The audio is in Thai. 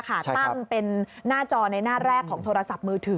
ตั้งเป็นหน้าจอในหน้าแรกของโทรศัพท์มือถือ